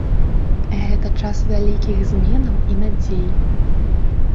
Гэта час вялікіх зменаў і надзей.